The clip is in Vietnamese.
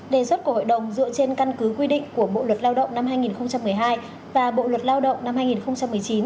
đề xuất của hội đồng dựa trên căn cứ quy định của bộ luật lao động năm hai nghìn một mươi hai và bộ luật lao động năm hai nghìn một mươi chín